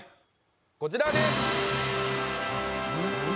こちらです！